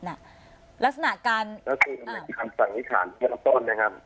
ลักษณะการลักษณะการฝั่งพิธารข้างต้นนะครับ